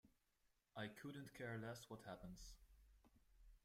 I couldn't care less what happens.